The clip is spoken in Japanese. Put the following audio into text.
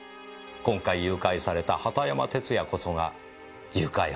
今回誘拐された畑山哲弥こそが誘拐犯本人だった。